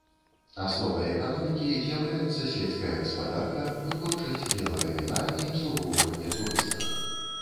Асновай эканомікі з'яўляюцца сельская гаспадарка, вытворчасць белага віна і абслугоўванне турыстаў.